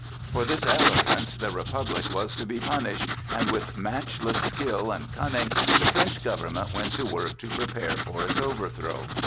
For this arrogance the Republic was to be punished, and with matchless skill and cunning the French government went to work to prepare for its overthrow.